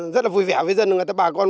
rất là vui vẻ với dân là người ta bà con